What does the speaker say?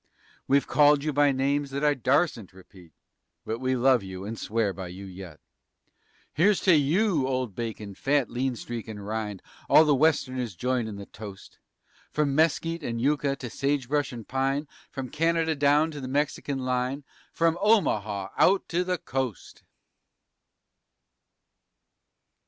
We've called you by names that I darsn't repeat, But we love you and swear by you yet. Here's to you, old bacon, fat, lean streak and rin', All the westerners join in the toast, From mesquite and yucca to sagebrush and pine, From Canada down to the Mexican Line, From Omaha out to the coast!